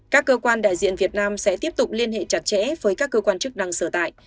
các cơ quan đại diện việt nam sẽ tiếp tục liên hệ chặt chẽ với các cơ quan chức năng sở tại